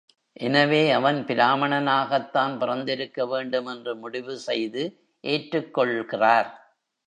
எனவே அவன் பிராமணனாகத்தான் பிறந்திருக்க வேண்டும் என்று முடிவு செய்து ஏற்றுக் கொள்கிறார்.